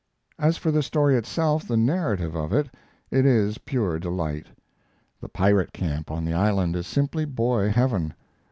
As for the story itself, the narrative of it, it is pure delight. The pirate camp on the island is simply boy heaven.